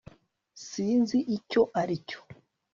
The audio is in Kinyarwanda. sinzi icyo ari cyo